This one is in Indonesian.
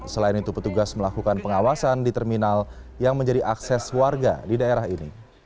selain itu petugas melakukan pengawasan di terminal yang menjadi akses warga di daerah ini